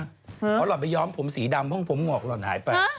เพราะหล่อนไปย้อมผมสีดำห้องผมงอกหล่อนหายไป